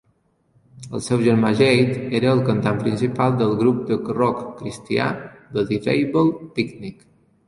El seu germà Jade era el cantant principal del grup de rock cristià Believable Picnic.